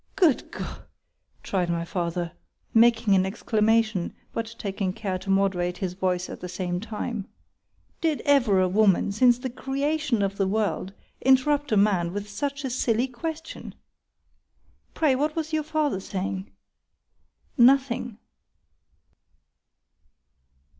—Good G—!_ cried my father, making an exclamation, but taking care to moderate his voice at the same time,——Did ever woman, since the creation of the world, interrupt a man with such a silly question? Pray, what was your father saying?————Nothing.